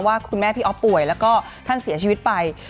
ว่าคุณแม่พี่อ๊อฟป่วยแล้วก็ท่านเสียชีวิตไป